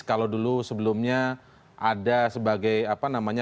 kalau dulu sebelumnya ada sebagai apa namanya